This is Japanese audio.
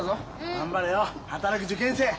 頑張れよ働く受験生。